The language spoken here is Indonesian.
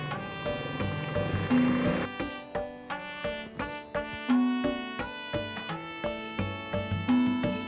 makasih makasih lain kali jelasin tegesin